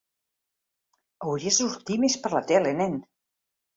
Hauries de sortir més per la tele, nen!